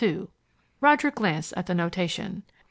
Roger glanced at the notation.